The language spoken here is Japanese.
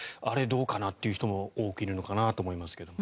どうかなという人も多くいるのかなと思いますが。